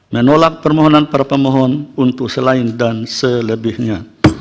menolak permohonan para pemohon untuk selain dan selebihnya